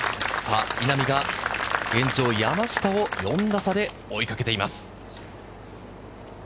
稲見が現状、山下を４打差で追いかけています。